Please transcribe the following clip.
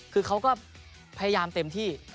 คือเขาก็พยายามเต็มที่